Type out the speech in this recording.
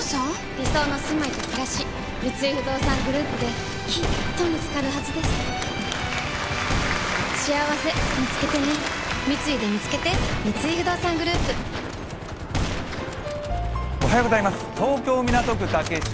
理想のすまいとくらし三井不動産グループできっと見つかるはずですしあわせみつけてね三井でみつけて東京・港区竹芝。